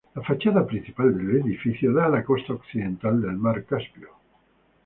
La fachada principal del edificio da a la costa occidental del Mar Caspio.